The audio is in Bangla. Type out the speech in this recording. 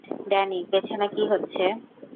ড্যানি, পেছনে কী হচ্ছে?